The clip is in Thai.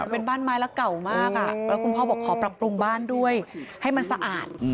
เป็นบ้านไม้แล้วเก่ามากแล้วคุณพ่อบอกขอปรับปรุงบ้านด้วยให้มันสะอาด